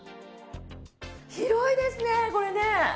広いですね、これね！